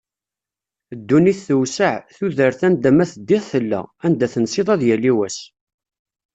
Ddunit tewseɛ, tudert anda ma teddiḍ tella, anda tensiḍ ad yali wass.